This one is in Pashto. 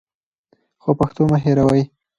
خو پښتو مه هېروئ.